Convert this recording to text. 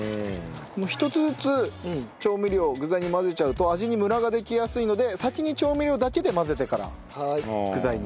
１つずつ調味料を具材に混ぜちゃうと味にムラができやすいので先に調味料だけで混ぜてから具材に加えるそうです。